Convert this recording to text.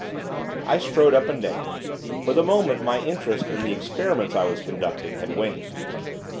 I strode up and down, for the moment my interest in the experiments I was conducting had waned.